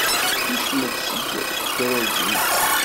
Kcem-d seg tedrujin.